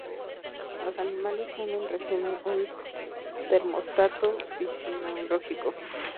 Los animales son en resumen un termostato fisiológico.